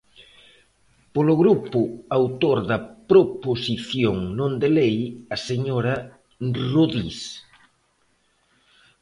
Polo grupo autor da proposición non de lei, a señora Rodís.